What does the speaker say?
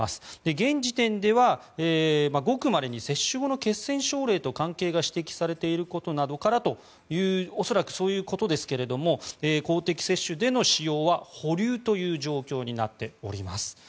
現時点では、ごくまれに接種後の血栓症例と関係が指摘されていることなどからと恐らく、そういうことですが公的接種での使用は保留という状況になっています。